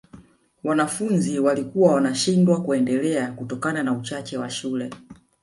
wanafunzi walikuwa wanashindwa kuendelea kutokana na uchache wa shule